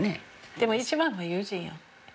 でも一番の友人よ。